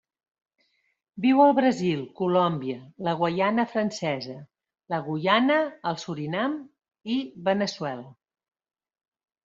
Viu al Brasil, Colòmbia, la Guaiana Francesa, la Guyana, el Surinam i Veneçuela.